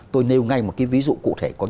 tôi nêu ngay một cái ví dụ cụ thể